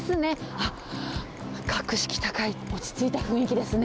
あっ、格式高い落ち着いた雰囲気ですね。